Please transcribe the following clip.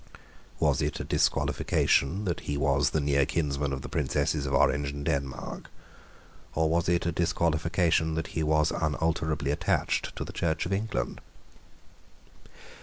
Was it a disqualification that he was the near kinsman of the Princesses of Orange and Denmark? Or was it a disqualification that he was unalterably attached to the Church of England?